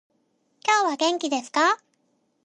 今日は元気ですか？